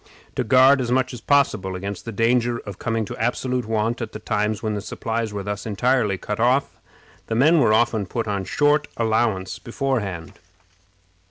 To guard as much as possible against the danger of coming to absolute want at the times when the supplies were thus entirely cut off, the men were often put on short allowance beforehand.